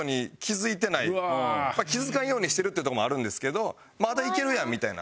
気づかんようにしてるってとこもあるんですけどまだいけるやんみたいな。